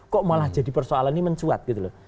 kok malah jadi persoalan ini mencuat gitu loh